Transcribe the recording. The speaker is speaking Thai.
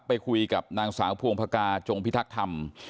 ไปคุยกับนางสาวพวงพกาจงพิทักษ์ธรรม